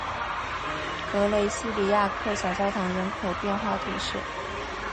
格雷西尼亚克小教堂人口变化图示